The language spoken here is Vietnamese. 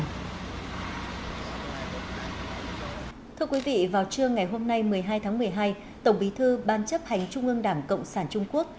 thưa quý vị vào trưa ngày hôm nay một mươi hai tháng một mươi hai tổng bí thư ban chấp hành trung ương đảng cộng sản trung quốc